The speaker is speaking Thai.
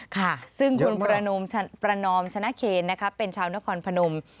ค่ะซึ่งคุณประนอมชนะเคนนะคะเป็นชาวนครพนม